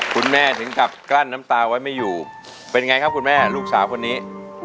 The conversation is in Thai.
คุณแม่ถึงกลับกลั้นน้ำตาไว้ไม่อยู่เป็นไงครับคุณแม่ลูกสาวคนนี้